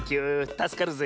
たすかるぜ。